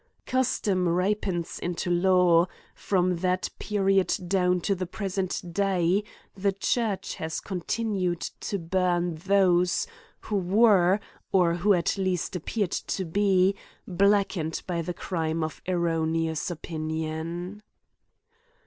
Custom ripens into law : from that period down to the present day, the church has continued to burn those who were, or who at leapt appeared to be, blackened by the crime of erroneous opmion.